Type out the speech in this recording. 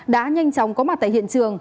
đã nhanh chóng có mặt tại hiện trường